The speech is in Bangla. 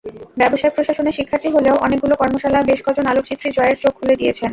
ব্যবসায় প্রশাসনের শিক্ষার্থী হলেও অনেকগুলো কর্মশালা, বেশ কজন আলোকচিত্রী জয়ের চোখ খুলে দিয়েছেন।